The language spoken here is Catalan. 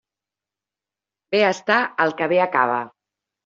Bé està el que bé acaba.